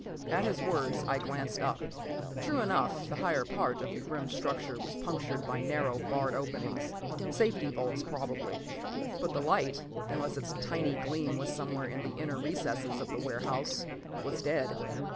p> At his words, I glanced up. True enough, the higher part of the grim structure was punctured by narrow, barred openings. Safety vaults, probably. But the light, unless its tiny gleam was somewhere in the inner recesses of the warehouse, was dead.